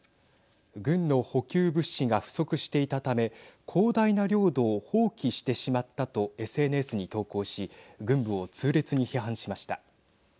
軍の補給物資が不足していたため広大な領土を放棄してしまったとＳＮＳに投稿し軍部を痛烈に批判しました。